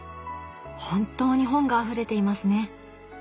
本当に本があふれていますね。